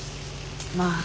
まあ。